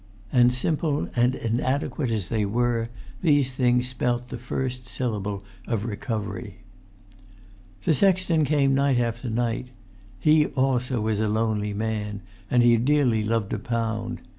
And, simple and inadequate as they were, these things spelt the first syllable of recovery. The sexton came night after night; he also was a lonely man; and he dearly loved a pound.